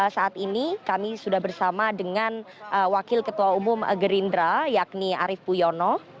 saat ini kami sudah bersama dengan wakil ketua umum gerindra yakni arief puyono